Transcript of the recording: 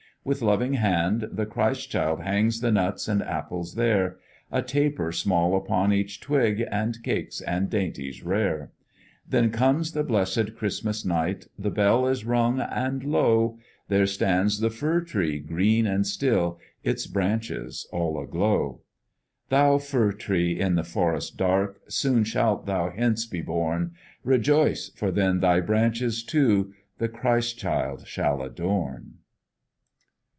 With loving hand, the Christ child hangs The nuts and apples there; A taper small upon each twig, And cakes and dainties rare. Then comes the blessed Christmas night, The bell is rung and lo! There stands the fir tree, green and still, Its branches all aglow. Thou fir tree in the forest dark, Soon shalt thou hence be borne. Rejoice! for then thy branches, too, The Christ child shall adorn.